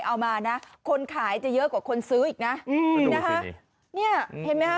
เอามานะคนขายจะเยอะกว่าคนซื้ออีกนะอืมนะคะเนี่ยเห็นไหมคะ